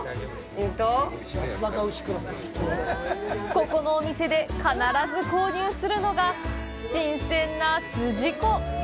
ここのお店で必ず購入するのが新鮮な筋子。